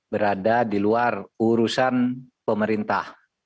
berada di luar urusan pemerintah